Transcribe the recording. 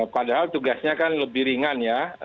padahal tugasnya kan lebih ringan ya